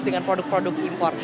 dengan produk produk impor